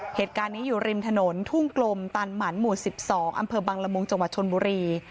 เหตุการณ์นี้อยู่ริมถนนทุ่งกลมตันหมันหมู่๑๒อำเภอบังละมุงจังหวัดชนบุรี